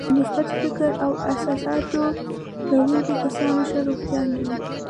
د مثبت فکر او احساساتو لرونکي کسان ښه روغتیا لري.